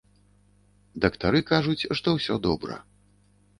Дактары кажуць, што ўсё добра.